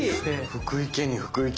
福井県に福井県！